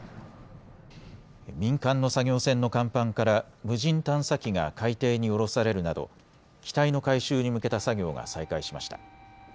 民間の作業船の甲板から無人探査機が海底に下ろされるなど機体の回収に向けた作業が再開しました。